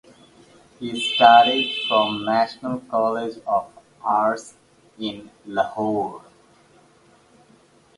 He studied from National College of Arts in Lahore.